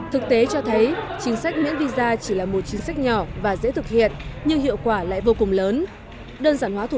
họ nghĩ là chúng ta không cần visa chúng ta không cần phải trả tiền cho những thứ khác không cần nhiều vấn đề